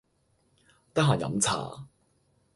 得閒飲茶